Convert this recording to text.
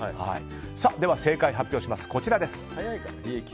では正解を発表します。